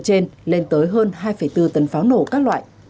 trên lên tới hơn hai bốn tấn pháo nổ các loại